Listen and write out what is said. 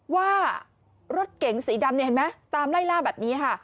ว่ารถเก๋งสีดำตามไล่ร่างแบบนี้